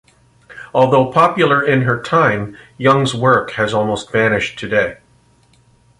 Although popular in her time, Young's work has almost vanished today.